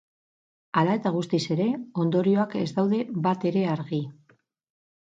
Hala eta guztiz ere, ondorioak ez daude batere argi.